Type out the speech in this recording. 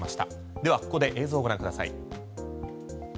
では、ここで映像をご覧ください。